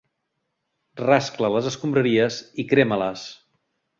Rascla les escombraries i crema-les.